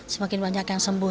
semakin banyak yang sembuh